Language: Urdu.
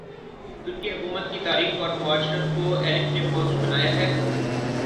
ترکی حکومت کی تاریخ اور معاشرت کو ایلف نے موضوع بنایا ہے